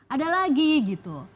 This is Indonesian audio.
ada lagi gitu